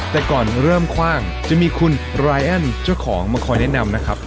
แต่ก่อนเริ่มคว่างจะมีคุณรายแอ้นเจ้าของมาคอยแนะนำนะครับ